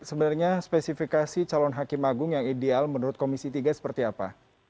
sebenarnya spesifikasi calon hakim agung yang ideal menurut komisi tiga seperti apa